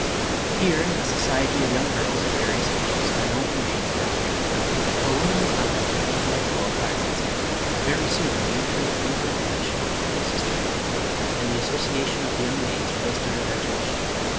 Here, in the society of young girls of various ages, Man on remained for a year. Her womanly conduct and intellectual acquirements very soon gained her the favor and affection of the whole sisterhood and the as sociation of the young ladies placed under their tuition.